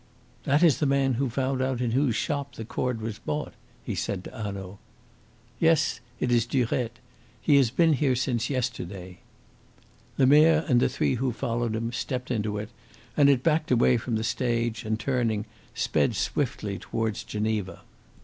"That is the man who found out in whose shop the cord was bought," he said to Hanaud. "Yes, it is Durette. He has been here since yesterday." Lemerre and the three who followed him stepped into it, and it backed away from the stage and, turning, sped swiftly outwards from Geneva.